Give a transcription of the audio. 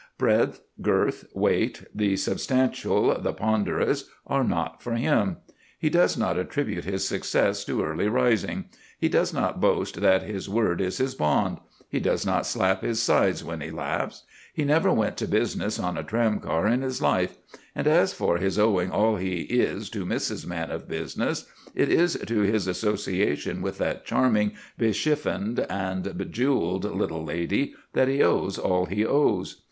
Breadth, girth, weight, the substantial, the ponderous, are not for him. He does not attribute his success to early rising; he does not boast that his word is his bond; he does not slap his sides when he laughs; he never went to business on a tram car in his life; and as for his owing all he is to Mrs. Man of Business, it is to his association with that charming bechiffoned, bejewelled little lady that he owes all he owes.